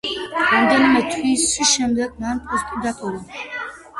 რამდენიმე თვის შემდეგ მან პოსტი დატოვა.